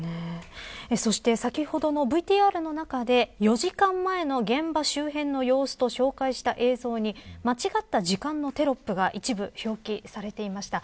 そして、先ほどのＶＴＲの中で４時間前の現場周辺の様子と紹介した映像に間違った時間のテロップが一部表記されていました。